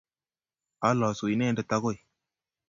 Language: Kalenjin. Olosu Inendet agoi,